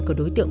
của đối tượng